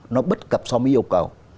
nó bất cập so với yêu cầu